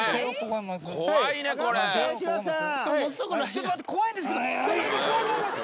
ちょっと待って怖いんですけど。